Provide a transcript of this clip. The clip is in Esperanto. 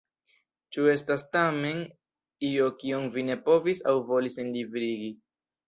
Ĉu estas tamen io kion vi ne povis aŭ volis enlibrigi?